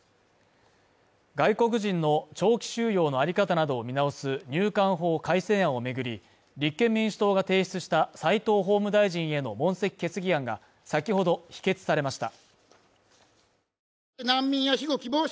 外国人の長期収容のあり方などを見直す入管法改正案を巡り、立憲民主党が提出した法務大臣への問責決議案が先ほど、否決されました。